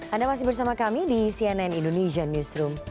anda masih bersama kami di cnn indonesia newsroom